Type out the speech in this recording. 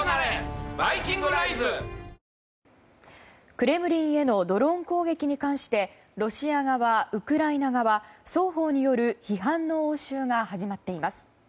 クレムリンへのドローン攻撃に関してロシア側、ウクライナ側双方による批判の応酬が始まっています。